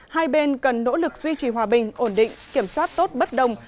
hai bên cần nỗ lực duy trì hòa bình ổn định kiểm soát tốt bất đồng